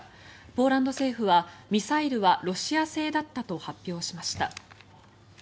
ポーランド政府は、ミサイルはロシア製だったと発表しました。